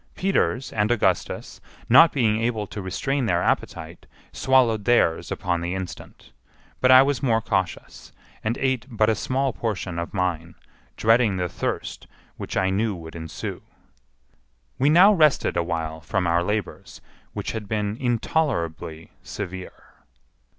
Peters and Augustus, not being able to restrain their appetite, swallowed theirs upon the instant; but I was more cautious, and ate but a small portion of mine, dreading the thirst which I knew would ensue. We now rested a while from our labors, which had been intolerably severe.